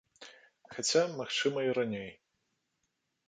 Хаця, магчыма, і раней.